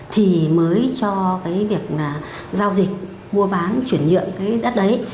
thì mới cho việc giao dịch mua bán chuyển nhượng đất đấy